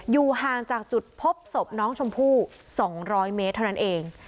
อยู่ห่างจากจุดพบศพน้องชมพู่๒๐๐เมตรเท่านั้นเอง